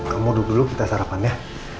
kamu dulu dulu kita sarapan ya